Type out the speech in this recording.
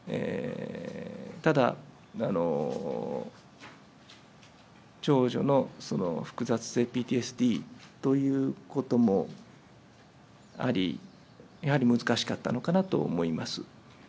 ただ、長女の複雑性ＰＴＳＤということもあり、やはり難しかったのかなと思います。